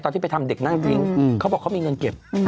ที่ไปทำเด็กนั่งทิ้งเขาบอกเขามีเงินเก็บ